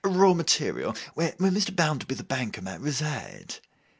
'—Raw material—where Mr. Bounderby, the banker, might reside.